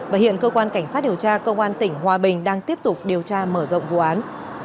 và hiện cơ quan cảnh sát điều tra công an tỉnh hòa bình đang tiếp tục điều tra mở rộng vụ án